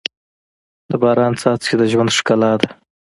د باران څاڅکي د ژوند ښکلا ده.